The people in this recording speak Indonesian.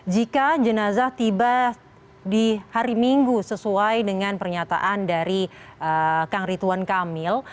jika jenazah tiba di hari minggu sesuai dengan pernyataan dari kang rituan kamil